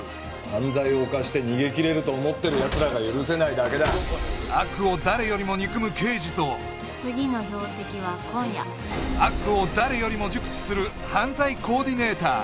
犯罪を犯して逃げきれると思ってるやつらが許せないだけだと次の標的は今夜悪を誰よりも熟知する犯罪コーディネーター